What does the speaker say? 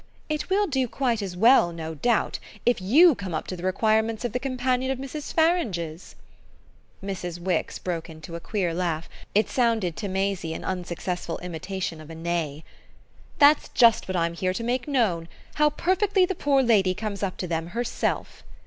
"It will do quite as well, no doubt, if you come up to the requirements of the companion of Mrs. Farange's!" Mrs. Wix broke into a queer laugh; it sounded to Maisie an unsuccessful imitation of a neigh. "That's just what I'm here to make known how perfectly the poor lady comes up to them herself."